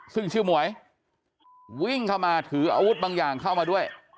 ซึ่งชื่อหมวยวิ่งเข้ามาถืออาวุธบางอย่างเข้ามาด้วย